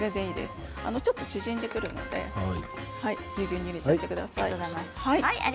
ちょっと縮んでくるのでぎゅうぎゅうに入れてください。